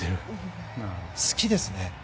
好きですね。